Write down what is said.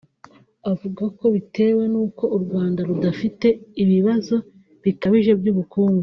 Avuga ko bitewe n’uko u Rwanda rudafite ibibazo bikabije by’ubukungu